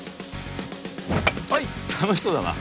はい楽しそうだな